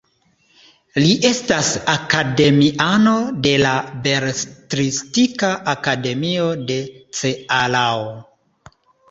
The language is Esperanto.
Li estas akademiano de la Beletristika Akademio de Cearao.